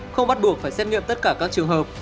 không bắt buộc phải xét nghiệm tất cả các trường hợp